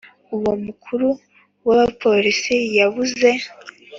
Uwo mukuru w ‘abapolisi yabuze.